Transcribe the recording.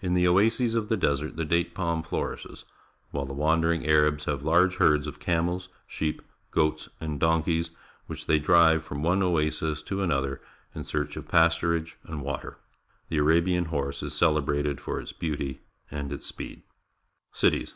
In the oases of the desert the date palm flour ishes, while the wandering Arabs have large herds of camels, sheep, goats, and donkeys, which they drive from one oasis to another in search of pasturage and water. The Arabian horse is celebrated for its beauty and its speed. Cities.